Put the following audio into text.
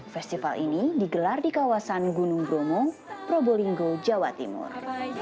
festival ini digelar di kawasan gunung bromo probolinggo jawa timur